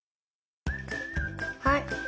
はい！